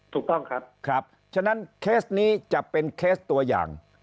ถูกต้องครับครับฉะนั้นเคสนี้จะเป็นเคสตัวอย่าง